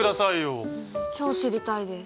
今日知りたいです。